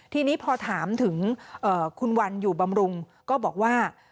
ทีนี้พอถามถึงคุณวันอยู่บำรุงก็บอกว่า